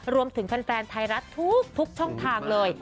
รวมถึงแฟนไทยรัฐทุกช่องทางเลย